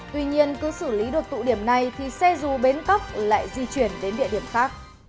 tuy nhiên cứ xử lý được tụ điểm này thì xe dù bến cóc lại di chuyển đến địa điểm khác